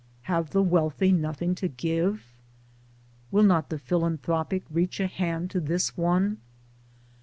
Have the wealthy nothing to give ? Will not the philanthropic reach a hand to this one?